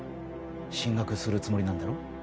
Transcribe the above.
進学するつもりなんだろう？